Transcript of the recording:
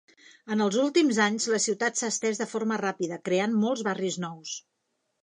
En els últims anys la ciutat s'ha estès de forma ràpida, creant molts barris nous.